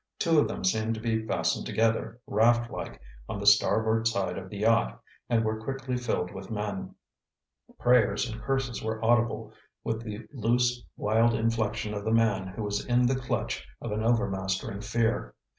Two of them seemed to be fastened together, raft like, on the starboard side of the yacht, and were quickly filled with men. Prayers and curses were audible, with the loose, wild inflexion of the man who is in the clutch of an overmastering fear.